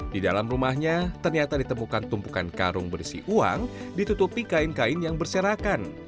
di dalam rumahnya ternyata ditemukan tumpukan karung berisi uang ditutupi kain kain yang berserakan